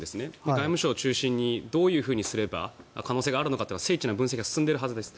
外務省を中心にどういうふうにすれば可能性があるのかは精緻な分析が進んでいるはずです。